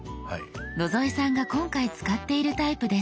野添さんが今回使っているタイプです。